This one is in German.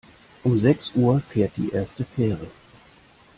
Um sechs Uhr fährt die erste Fähre.